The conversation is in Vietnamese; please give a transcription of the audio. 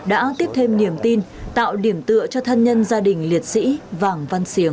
quán tỉnh lai châu đã tiếp thêm niềm tin tạo điểm tựa cho thân nhân gia đình liệt sĩ vàng văn siềng